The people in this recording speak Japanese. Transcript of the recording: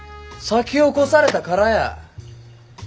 先を越されたからや！